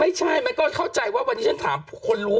ไม่ใช่ไม่ก็เข้าใจว่าวันนี้ฉันถามผู้คนรู้